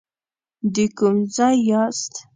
د کوم ځای یاست.